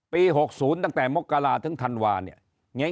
ปี๖๐ตั้งแต่มกราศน์ถึงธันวาล